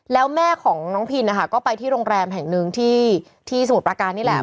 แล้วแม่ของน้องพินนะคะก็ไปที่โรงแรมแห่งหนึ่งที่สมุทรประการนี่แหละ